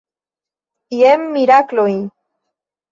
Jen mirakloj!